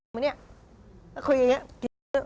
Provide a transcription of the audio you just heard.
มาเนี่ยแล้วคุยอย่างเนี่ยกิน